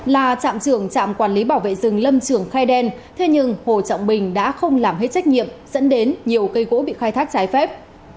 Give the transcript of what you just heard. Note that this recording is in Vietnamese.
là trạm trưởng trạm quản lý bảo vệ rừng lâm trường khai đen thế nhưng hồ trọng bình đã không làm hết trách nhiệm dẫn đến nhiều cây gỗ bị khai thác trái phép